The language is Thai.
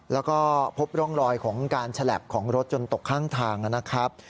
แล้วก็พบร่องรอยของการฉลับของรถจนตกข้างทางนะครับ